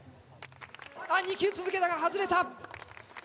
あっ２球続けたが外れた。